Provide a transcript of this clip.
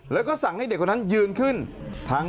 แล้วก็สั่งให้เด็กคนนั้นยืนขึ้น